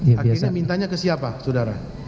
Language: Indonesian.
akhirnya mintanya ke siapa saudara